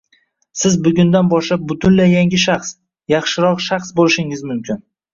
Siz bugundan boshlab butunlay yangi shaxs, yaxshiroq shaxs bo’lishingiz mumkin